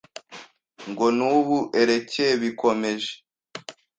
ngo n’ubu erecyebikomeje